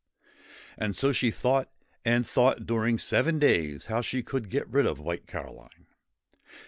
' And so she thought and thought during seven days how she could get rid of White Caroline.